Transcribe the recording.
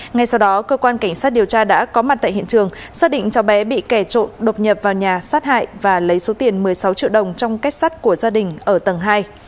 ngay sau đó cơ quan cảnh sát điều tra đã có mặt tại hiện trường xác định cháu bé bị kẻ trộm đột nhập vào nhà sát hại và lấy số tiền một mươi sáu triệu đồng trong kết sắt của gia đình ở tầng hai